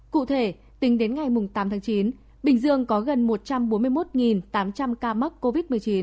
cụ thể tính đến ngày tám tháng chín bình dương có gần một trăm bốn mươi một tám trăm linh ca mắc covid một mươi chín